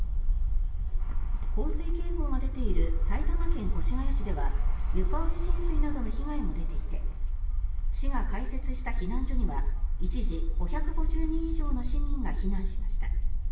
洪水警報が出ている埼玉県越谷市では床上浸水などの被害も出ていて市が開設した避難所には一時、５５０人以上の市民が避難しました。